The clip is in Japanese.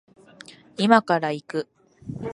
今から行く